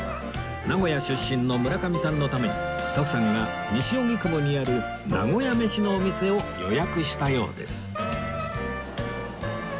名古屋出身の村上さんのために徳さんが西荻窪にある名古屋メシのお店を予約したようです